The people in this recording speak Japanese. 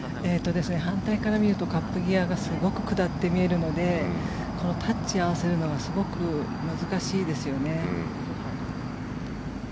反対から見るとカップ際がすごく下って見えるのでタッチを合わせるのがすごく難しいですよね。